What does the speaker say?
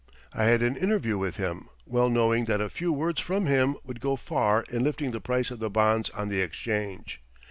I had an interview with him, well knowing that a few words from him would go far in lifting the price of the bonds on the Exchange.